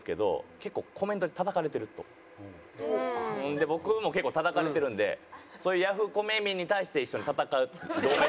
で僕も結構たたかれてるんでそういうヤフコメ民に対して一緒に戦う同盟。